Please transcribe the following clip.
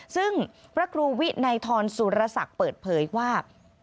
ซึ่งพระครูวินัยทรสุรศักดิ์เปิดเผยว่า